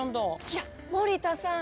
いや森田さん！